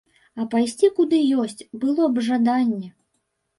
А пайсці куды ёсць, было б жаданне!